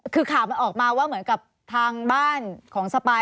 คือข่าวมันออกมาว่าเหมือนกับทางบ้านของสปาย